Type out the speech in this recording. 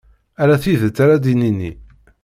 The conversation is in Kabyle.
Ala tidet ara d-nini.